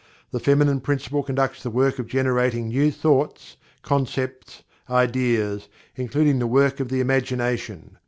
The Feminine Principle conducts the work of generating new thoughts, concepts, ideas, including the work of the imagination.